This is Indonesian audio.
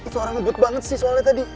suara ngebut banget sih soalnya tadi